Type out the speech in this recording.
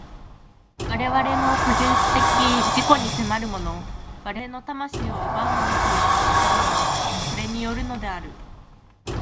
我々の個人的自己に迫るもの、我々の魂を奪うものといったのは、これによるのである。